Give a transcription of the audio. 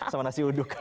sama nasi uduk